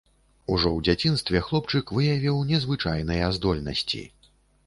Ужо ў дзяцінстве хлопчык выявіў незвычайныя здольнасці.